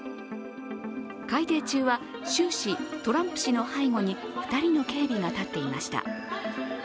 開廷中は終始トランプ氏の背後に２人の警備が立っていました。